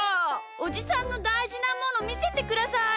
おじさんのたいじなものみせてください！